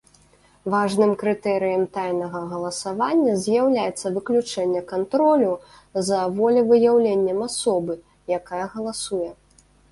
Важным крытэрыем тайнага галасавання з'яўляецца выключэнне кантролю за волевыяўленнем асобы, якая галасуе.